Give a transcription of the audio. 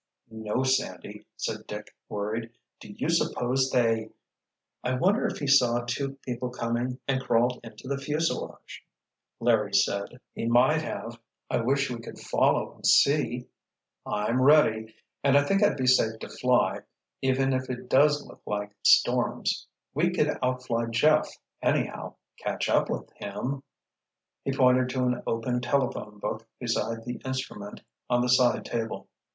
"No Sandy," said Dick, worried. "Do you suppose they?——" "I wonder if he saw two people coming and crawled into the fuselage," Larry said. "He might have. I wish we could follow and see." "I'm ready—and I think I'd be safe to fly, even if it does look like storms. We could outfly Jeff, anyhow, catch up with him——" He pointed to an open telephone book beside the instrument on the side table.